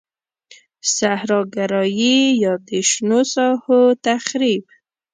صحرا ګرایی یا د شنو ساحو تخریب.